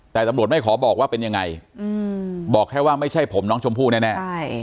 แต่ตำรวจไม่ขอบอกว่าเป็นยังไงบอกแค่ว่าไม่ใช่ผมน้องชมพู่แน่